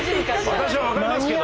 私は分かりますけど。